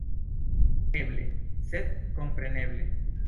Eble, sed kompreneble.